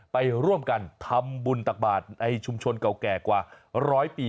ไปร่วมกันทำบุญตักบาทในชุมชนเก่าแก่กว่าร้อยปี